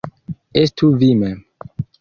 Estu vi mem.